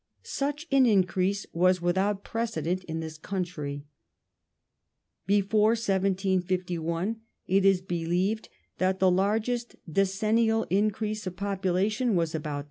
Such an in crease was without precedent in this country. Before 1751 it is believed that the largest decennial increase of population was about 3 per cent.